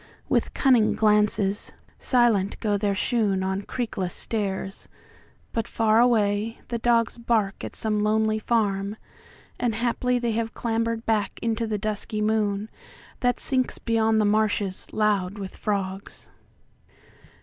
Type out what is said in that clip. With cunning glances; silent go their shoonOn creakless stairs; but far away the dogsBark at some lonely farm: and haply theyHave clambered back into the dusky moonThat sinks beyond the marshes loud with frogs.